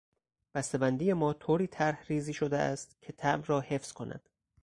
بستهبندی ما طوری طرحریزی شده است که طعم را حفظ کند.